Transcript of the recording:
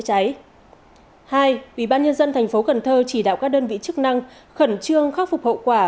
hai ủy ban nhân dân tp hcm chỉ đạo các đơn vị chức năng khẩn trương khắc phục hậu quả